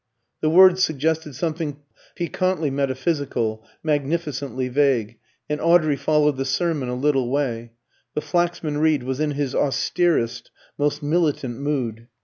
The words suggested something piquantly metaphysical, magnificently vague, and Audrey followed the sermon a little way. But Flaxman Reed was in his austerest, most militant mood.